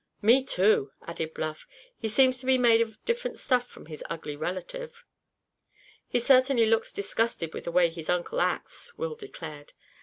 "Me, too," added Bluff. "He seems made of different stuff from his ugly relative." "He certainly looks disgusted with the way his uncle acts," Will declared.